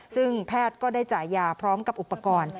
ซึ่งแพทย์ก็ได้จ่ายยาพร้อมกับอุปกรณ์